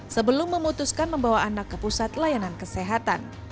sebelum memutuskan membawa anak ke pusat layanan kesehatan